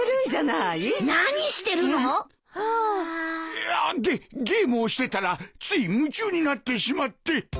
いやあゲッゲームをしてたらつい夢中になってしまって。